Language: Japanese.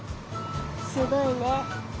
すごいね。